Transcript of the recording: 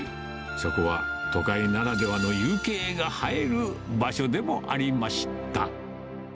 そこは都会ならではの夕景が映える場所でもありました。